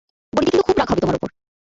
বনিদি কিন্তু খুব রাগ হবে তোমার ওপর।